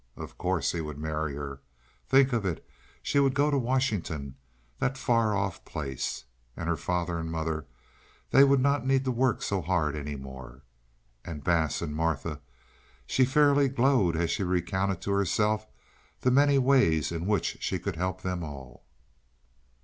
Of course he would marry her. Think of it! She would go to Washington—that far off place. And her father and mother—they would not need to work so hard any more. And Bass, and Martha—she fairly glowed as she recounted to herself the many ways in which she could help them all.